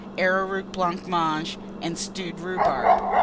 Arrowroot blancmange, and stewed rhubarb.